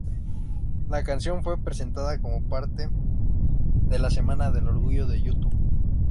La canción fue presentada como parte de la Semana del Orgullo de YouTube.